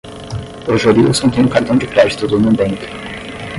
O Jorilson tem um cartão de crédito do Nubank.